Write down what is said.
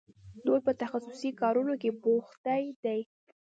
دوی په تخصصي کارونو کې بوختې دي.